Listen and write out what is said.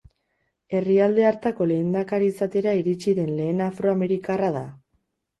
Herrialde hartako lehendakari izatera iritsi den lehen afro-amerikarra da.